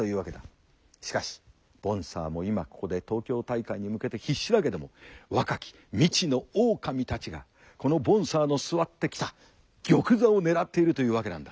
しかしボンサーも今ここで東京大会に向けて必死だけども若き未知の狼たちがこのボンサーの座ってきた玉座を狙っているというわけなんだ。